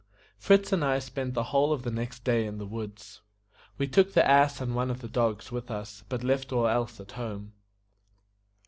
FRITZ and I spent the whole of the next day in the woods. We took the ass and one of the dogs with us, but left all else at home.